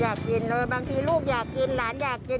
อยากกินเลยบางทีลูกอยากกินหลานอยากกิน